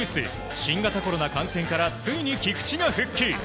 新型コロナ感染からついに菊池が復帰。